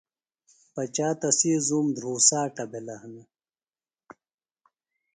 پچا تسی زُوم دھرُوساٹہ بِھلہ ہنہ